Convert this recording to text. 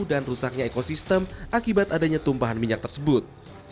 dan rusaknya ekosistem akibat adanya tumpahan minyak tersebut